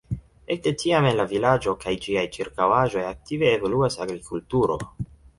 Ekde tiam en la vilaĝo kaj ĝiaj ĉirkaŭaĵoj aktive evoluas agrikulturo.